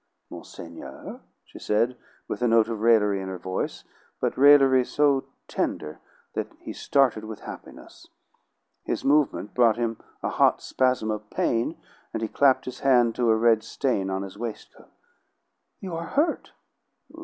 "Monseigneur!" she said, with a note of raillery in her voice, but raillery so tender that he started with happiness. His movement brought him a hot spasm of pain, and he clapped his hand to a red stain on his waistcoat. "You are hurt!"